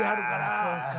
そうか。